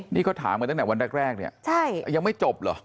นี่เขาถามกันตั้งแต่วันแรกเนี่ยยังไม่จบเหรอ